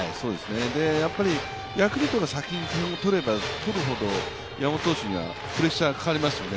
ヤクルトが先に点を取れば取るほど、山本投手にはプレッシャーがかかりますよね。